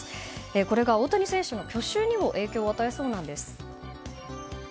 これが大谷選手の去就にも影響を与えそうなんです。